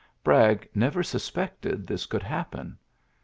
Bragg never suspected this could happen.